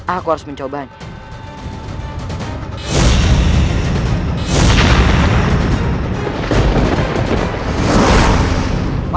aku harus mencobanya